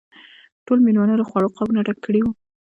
ټولو مېلمنو له خوړو قابونه ډک کړي وو.